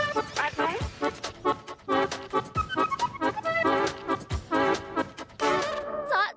โปรดติดตามตอนต่อไป